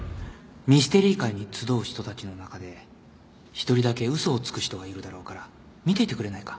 ミステリー会に集う人たちの中で１人だけ嘘をつく人がいるだろうから見ていてくれないか？